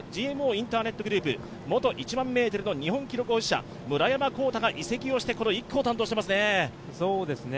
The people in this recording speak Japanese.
ＧＭＯインターネットグループ、元１００００ｍの日本記録保持者、村山絋太が移籍をして１区を担当していますね。